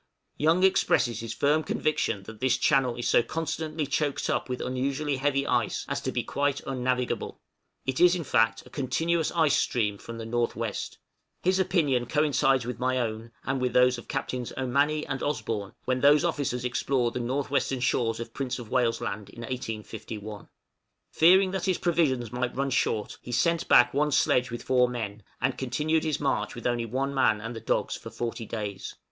Young expresses his firm conviction that this channel is so constantly choked up with unusually heavy ice as to be quite unnavigable; it is, in fact, a continuous ice stream from the N.W. His opinion coincides with my own, and with those of Captains Ommanney and Osborn, when those officers explored the north western shores of Prince of Wales' Land in 1851. Fearing that his provisions might run short he sent back one sledge with four men, and continued his march with only one man and the dogs for forty days!